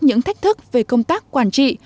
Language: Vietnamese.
những thách thức về công tác quản trị